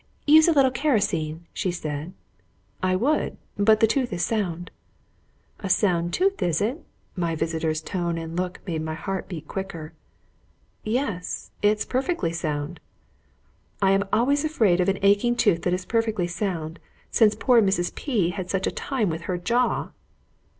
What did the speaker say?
"Use a little kreosote," said she. "I would; but the tooth is sound." "A sound tooth, is it?" My visitor's tone and look made my heart beat quicker. "Yes, it is perfectly sound." "I am always afraid of an aching tooth that is perfectly sound, since poor Mrs. P had such a time with her jaw."